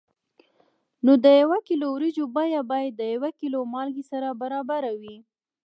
نو د یو کیلو وریجو بیه باید د یو کیلو مالګې سره برابره وي.